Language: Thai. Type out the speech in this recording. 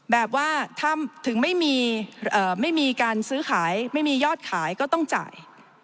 แบบว่าถ้าถึงไม่มีการซื้อขายไม่มียอดขายก็ต้องจ่าย